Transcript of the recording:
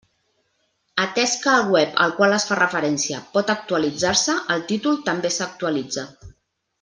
Atès que el web al qual es fa referència pot actualitzar-se, el títol també s'actualitza.